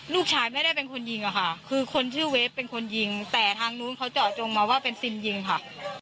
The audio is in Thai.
ลูกชายไม่ได้เป็นคนยิงอะค่ะคือคนชื่อเวฟเป็นคนยิงแต่ทางนู้นเขาเจาะจงมาว่าเป็นซิมยิงค่ะ